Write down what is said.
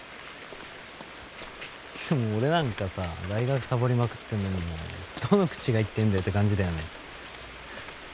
でも俺なんかさ大学サボりまくってるのにどの口が言ってんだよって感じだよね。